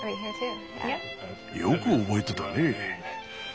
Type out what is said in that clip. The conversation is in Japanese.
よく覚えてたね。